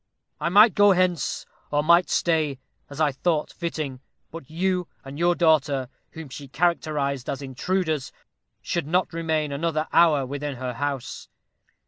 I might go hence, or might stay, as I thought fitting; but you and your daughter, whom she characterized as intruders, should not remain another hour within her house.